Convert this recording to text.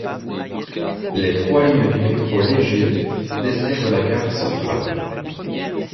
Les trois lignes du Métro léger desservent la gare centrale.